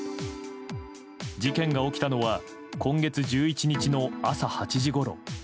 事件が起きたのは今月１１日の朝８時ごろ。